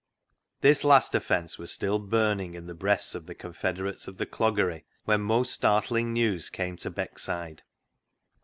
This last offence was still burning in the breasts of the confederates of the cloggery, when most startling news came to Beckside.